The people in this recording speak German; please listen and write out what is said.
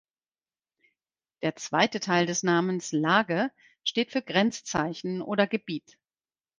Der zweite Teil des Namens „lage“ steht für „Grenzzeichen“ oder „Gebiet“.